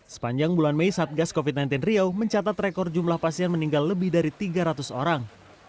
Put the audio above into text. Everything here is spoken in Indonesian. sepanjang bulan mei satgas covid sembilan belas riau mencatat rekor jumlah pasien meninggal lebih dari tiga ratus orang